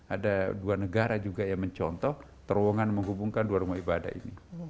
ada dua negara juga yang mencontoh terowongan menghubungkan dua rumah ibadah ini